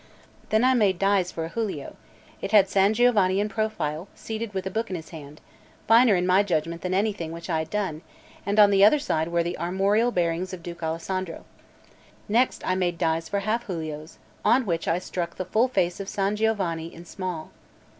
I then made dies for a giulio; it had San Giovanni in profile, seated with a book in his hand, finer in my judgment than anything which I had done; and on the other side were the armorial bearings of Duke Alessandro. Next I made dies for half giulios on which I struck the full face of San Giovanni in small.